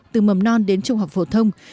từ mầm non đến trung học phổ thông